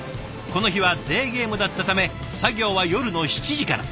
この日はデーゲームだったため作業は夜の７時から。